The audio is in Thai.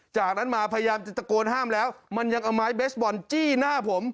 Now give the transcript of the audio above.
จากนั้นมาพยายามจะตะโกนห้ามแล้วมันยังเอาไม้เบสบอลจี้หน้าผม